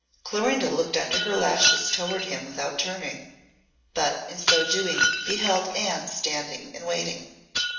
Clorinda looked under her lashes towards him without turning, but in so doing beheld Anne standing in waiting.